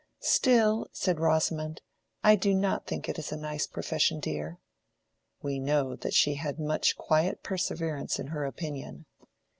"Still," said Rosamond, "I do not think it is a nice profession, dear." We know that she had much quiet perseverance in her opinion.